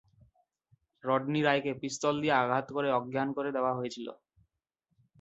Rodney রায়কে পিস্তল দিয়ে আঘাত করে অজ্ঞান করে দেওয়া হয়েছিল।